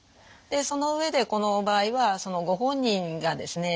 でその上でこの場合はそのご本人がですね